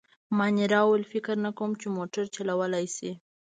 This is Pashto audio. مانیرا وویل: فکر نه کوم، چي موټر چلولای شي.